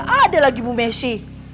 ada lagi bu messi